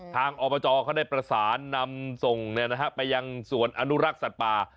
อบจเขาได้ประสานนำส่งไปยังสวนอนุรักษ์สัตว์ป่า